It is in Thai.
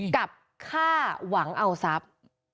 กับฆ่าหวังเอาทรัพย์